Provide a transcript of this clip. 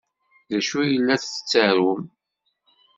D acu ay la tettarum?